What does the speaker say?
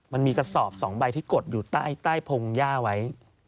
มันมีกระสอบ๒ใบที่กดอยู่ใต้พงหญ้าไว้